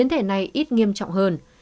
hôm nay ít nghiêm trọng hơn